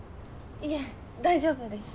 いえ大丈夫です。